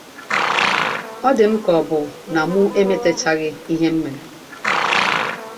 ọ dị m ka ọ bụ na mụ emetachaghị ihe m mere